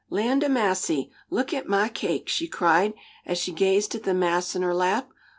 "Land ob massy! Look at mah cake!" she cried, as she gazed at the mass in her lap.